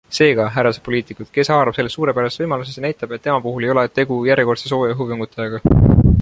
Seega, härrased poliitikud - kes haarab sellest suurepärasest võimalusest ja näitab, et tema puhul ei ole tegu järjekordse sooja õhu võngutajaga?